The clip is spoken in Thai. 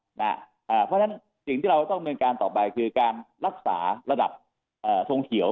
เพราะฉะนั้นสิ่งที่เราต้องเนินการต่อไปคือการรักษาระดับทงเขียว